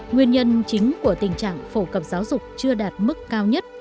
nguyên nhân chính của tình trạng phổ cập giáo dục chưa đạt mức cao nhất